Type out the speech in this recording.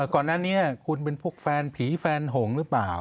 ก่อนหน้านี้คุณเป็นพวกแฟนผีแฟนหงหรือเปล่า